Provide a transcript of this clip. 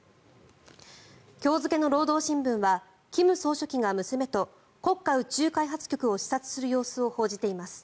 今日付の労働新聞は金総書記が娘と国家宇宙開発局を視察する様子を報じています。